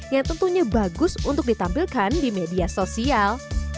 yang tentunya bagus untuk ditampilkan di media sosial